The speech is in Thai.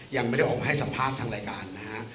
ยังไม่ได้ออกมาให้สัมภาษณ์ทางรายการนะฮะ